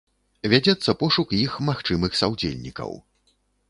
Вядзецца пошук іх магчымых саўдзельнікаў.